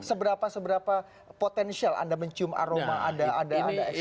seberapa seberapa potensial anda mencium aroma ada ekses massa tadi